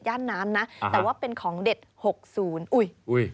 ย่านน้ำนะแต่ว่าเป็นของเด็ดหกศูนย์อุ้ยอุ้ย